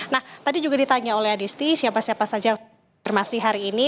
nah tadi juga ditanya oleh adisti siapa siapa saja masih hari ini